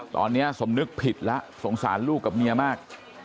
ตอนนี้สมนึกผิดแล้วสงสารลูกกับเมียมาก